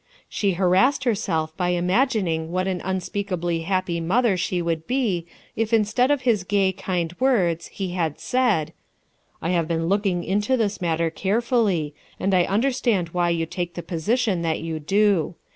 She harassed herself by imagining what an unspeakably happy mother she would be if instead of his gay, kind words he had said: — "I have been looking into this matter care fully and I understand why you take the position that you do.